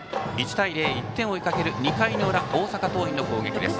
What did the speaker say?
１対０、１点を追いかける２回の裏の大阪桐蔭の攻撃です。